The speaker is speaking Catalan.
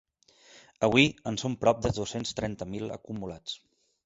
Avui, en són prop de dos-cents trenta mil acumulats.